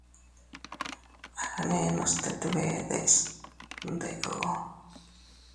At agnenos tet bee deʼese ndeʼo.